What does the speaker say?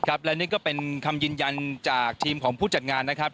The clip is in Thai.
และนี่ก็เป็นคำยืนยันจากทีมของผู้จัดงานนะครับ